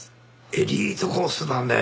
エリートコースだね。